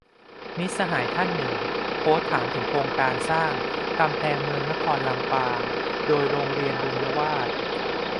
มิตรสหายท่านหนึ่ง โพสต์ถามถึงโครงการสร้าง "กำแพงเมืองนครลำปาง" โดยโรงเรียนบุญวาทย์